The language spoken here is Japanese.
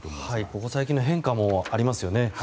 ここ最近の変化もありますね。